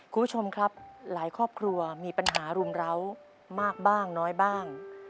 คุณผู้ชมครับหลายครอบครัวมีปัญหารุมร้าวมากบ้างน้อยบ้าง